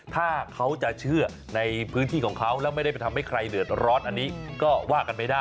ถ้าเขาจะเชื่อในพื้นที่ของเขาแล้วไม่ได้ไปทำให้ใครเดือดร้อนอันนี้ก็ว่ากันไม่ได้